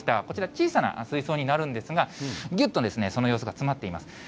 こちら、小さな水槽になるんですが、ぎゅっとその様子が詰まっています。